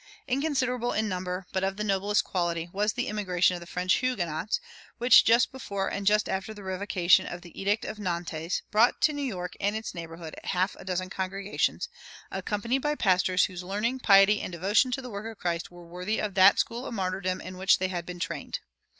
Inconsiderable in number, but of the noblest quality, was the immigration of French Huguenots, which just before and just after the revocation of the Edict of Nantes brought to New York and its neighborhood a half dozen congregations, accompanied by pastors whose learning, piety, and devotion to the work of Christ were worthy of that school of martyrdom in which they had been trained.